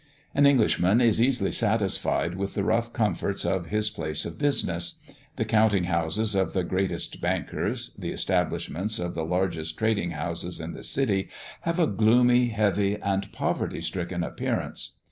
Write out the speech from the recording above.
An Englishman is easily satisfied with the rough comforts of his place of business. The counting houses of the greatest bankers; the establishments of the largest trading houses in the city have a gloomy, heavy, and poverty stricken appearance.